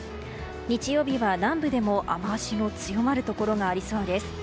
日曜日は南部でも雨脚の強まるところがありそうです。